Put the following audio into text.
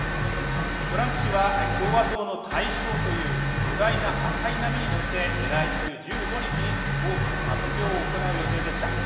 トランプ氏は共和党の大勝という巨大な波に乗って来週１５日に大きな発表を行う予定でした。